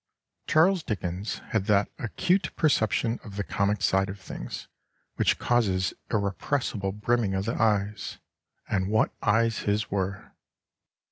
] "Charles Dickens had that acute perception of the comic side of things which causes irrepressible brimming of the eyes; and what eyes his were!